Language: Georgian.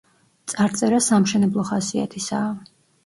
წარწერა სამშენებლო ხასიათისაა.